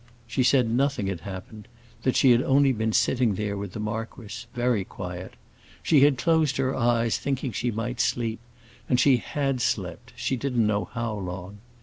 She said nothing had happened; that she had only been sitting there with the marquis, very quiet. She had closed her eyes, thinking she might sleep, and she had slept, she didn't know how long.